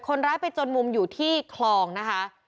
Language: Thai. คนร้ายไปจนมุมอยู่ที่คลองนะคะ